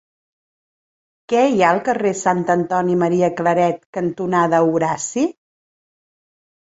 Què hi ha al carrer Sant Antoni Maria Claret cantonada Horaci?